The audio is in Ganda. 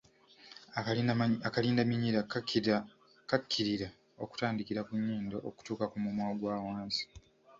Akalindaminyira kakkirira okutandikira ku nnyindo, okutuuka ku mumwa qgwa waggulu.